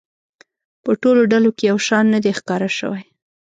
په ټولو ډلو کې یو شان نه دی ښکاره شوی.